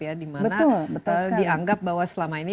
karena dianggap bahwa selama ini